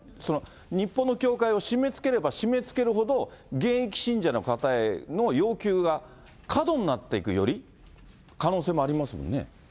日本の教会を締めつければ締めつけるほど、現役信者の方への要求が過度になっていく、より、可能性もありますもんね。